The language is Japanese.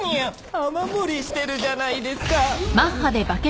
雨漏りしてるじゃないですか